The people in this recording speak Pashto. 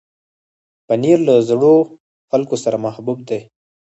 پنېر له زړو خلکو سره محبوب دی.